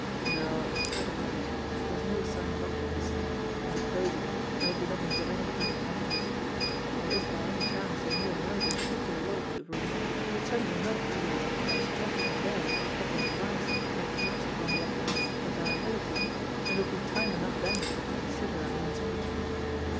No ; it was quite all right. There was no sign of occupancy, no clothing, no belongings of any kind in evidence. And if by any chance a new arrival should be allotted the room, it would certainly not be until French Jeff in there had been advised and had passed upon the appli cant's desirability, and there would be time enough then to consider a means of retreat.